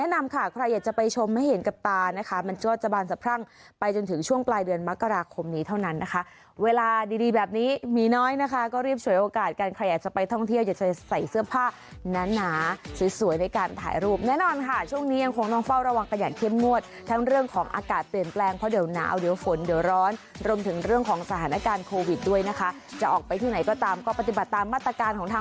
นี้เท่านั้นนะคะเวลาดีแบบนี้มีน้อยนะคะก็เรียบฉวยโอกาสกันใครอยากจะไปท่องเที่ยวอยากจะใส่เสื้อผ้าน้านหนาสวยในการถ่ายรูปแน่นอนค่ะช่วงนี้ยังคงต้องเฝ้าระวังกันอย่างเข้มงวดทั้งเรื่องของอากาศเปลี่ยนแปลงเพราะเดี๋ยวหนาวเดี๋ยวฝนเดี๋ยวร้อนรวมถึงเรื่องของสถานการณ์โควิดด้วยนะคะจะออกไปที่ไหนก็ตามก